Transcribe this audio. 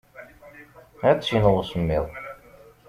Ad tt-ineɣ usemmiḍ.